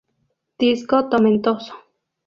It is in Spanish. Disco tomentoso.